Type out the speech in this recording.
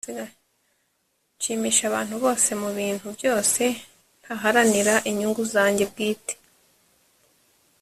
nshimisha abantu bose mu bintu byose, ntaharanira inyungu zanjye bwite